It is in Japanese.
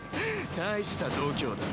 大した度胸だ。